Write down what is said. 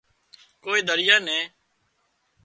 ڪوئي ڌريئا نين